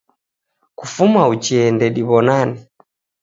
Kufuma uchee ndediw'onane.